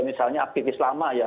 misalnya aktivis lama ya